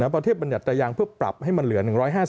พอเทียบบรรยัตรายางเพื่อปรับให้มันเหลือ๑๕๐